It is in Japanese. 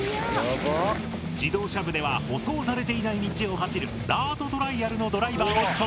自動車部では舗装されていない道を走るダートトライアルのドライバーを務めている。